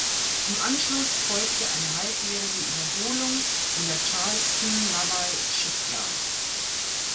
Im Anschluss folgte eine halbjährige Überholung in der Charleston Naval Shipyard.